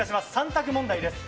３択問題です。